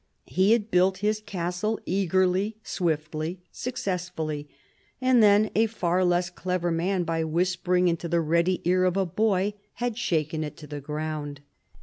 He had built his castle eagerly, swiftly, success fully ; and then a far less clever man, by whispering into the ready ear of a boy, had shaken it to the ground.